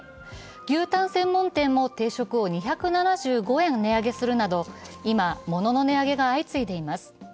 牛たん専門店も定食を２７５円値上げするなど、今、物の値上げが相次いでいます。